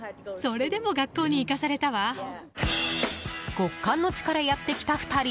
極寒の地からやってきた２人。